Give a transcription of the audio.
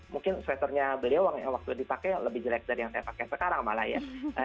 mungkin sweaternya beliau waktu dipakai lebih jelek dari yang saya pakai sekarang malah ya